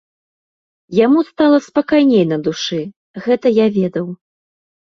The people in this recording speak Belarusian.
Яму стала спакайней на душы, гэта я ведаў.